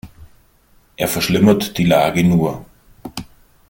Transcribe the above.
Er verschlimmert die Lage nur.